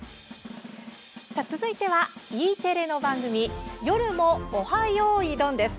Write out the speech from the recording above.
続いては、Ｅテレの番組「夜もオハ！よいどん」です。